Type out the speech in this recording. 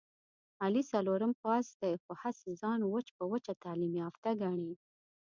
علي څلورم پاس دی، خو هسې ځان وچ په وچه تعلیم یافته ګڼي...